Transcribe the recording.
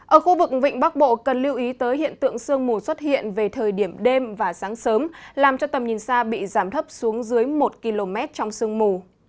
ở khu vực vịnh bắc bộ cần lưu ý tới hiện tượng sương mù xuất hiện về thời điểm đêm và sáng sớm làm cho tầm nhìn xa bị giảm thấp xuống dưới một km trong sương mù